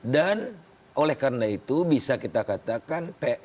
dan oleh karena itu bisa kita katakan